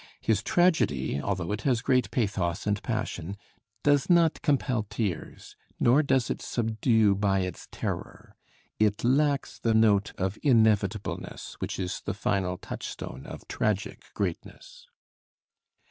His tragedy, although it has great pathos and passion, does not compel tears, nor does it subdue by its terror. It lacks the note of inevitableness which is the final touchstone of tragic greatness.